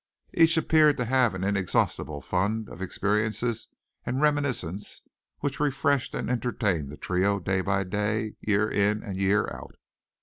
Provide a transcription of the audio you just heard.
Each appeared to have an inexhaustible fund of experiences and reminiscences which refreshed and entertained the trio day by day year in and year out.